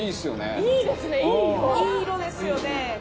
いい色ですよね。